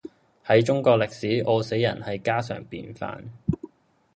喺中國歷史，餓死人係家常便飯